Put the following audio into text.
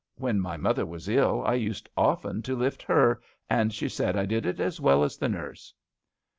When my mother was ill I used often to lift her, and she said I did it as well as the nurse."